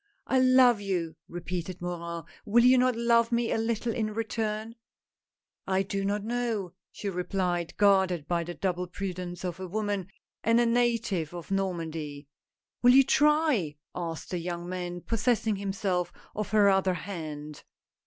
"I love you," repeated Morin, "will you not love me a little in return ?"" I do not know," she replied, guarded by the double prudence of a woman and a native of Normandy. " Will you try ?" asked the young man, possessing himself of her other hand.